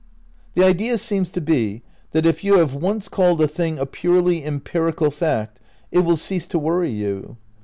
The idea seems to be that if you have once called a thing a purely empirical fact it will cease to worry you.